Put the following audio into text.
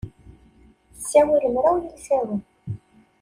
Tessawal mraw yilsawen.